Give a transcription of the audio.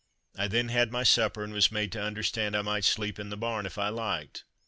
I then had my supper, and was made to understand I might sleep in the barn, if I liked.